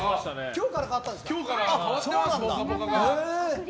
今日から変わったんですか？